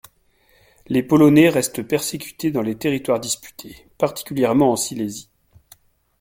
Les Polonais restent persécutés dans les territoires disputés, particulièrement en Silésie.